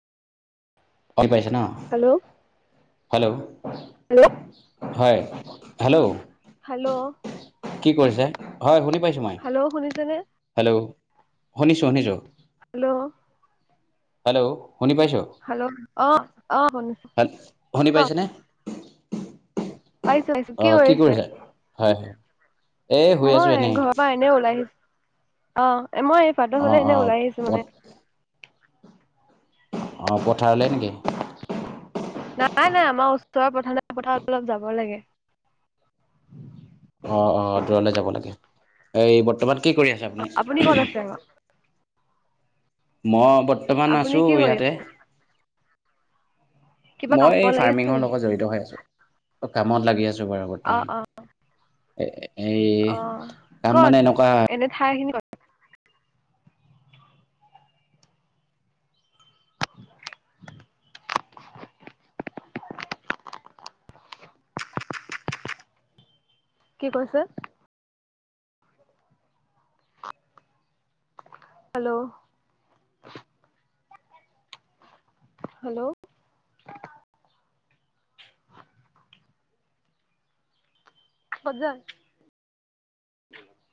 ভাল পাইছে ন হেল্ল' হেল্ল' হেল্ল' হয় হেল্ল' হেল্ল' কি কৰিছে হয় শুনি হেল্ল' শুনিছেনে? শুনিছো শুনিছো। হেল্ল' হেল্ল' শুনি পাইছোঁ হেল্ল' অ অ শুনিছো শুনি ক পাইছ নে? পাইছো পাইছো কি কৰিছে? হয় হয়। এই শুই আছোঁ মই এনেই ঘৰৰ পৰা এনে ওলাই আহিছো। অ এ মই এই বাত অঁ ফাললে এনে অঁ ওলাই আহিছো মানে অ পথাৰলৈ নেকি? নাই নাই আমাৰ ওচৰৰ পথ নে পথাাৰ অলপ যাব লাগে। অ অ দূৰলে যাব লাগে এই বৰ্তমান। কি কৰি আছে ক'ত আপুনি? আছে মই বৰ্তমান আপুনি আছো কি কৰি আছে ইয়াতে। কিবা মই কামত লাগি আছে ফাৰ্মিঙৰ নেকি লগত জড়িত হৈ আছো। কামত লাগি আছো বাৰু অ বৰ্তমান অ এ অ কত এনে ঠাইখিনি কি কৈছে? Hello hello হজাৰ